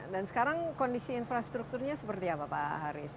dan sekarang kondisi infrastrukturnya seperti apa pak haris